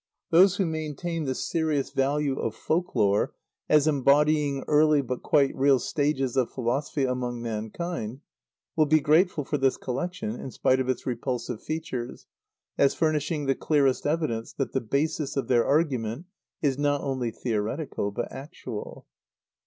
Those who maintain the serious value of folk lore, as embodying early but quite real stages of philosophy among mankind, will be grateful for this collection, in spite of its repulsive features, as furnishing the clearest evidence that the basis of their argument is not only theoretical but actual.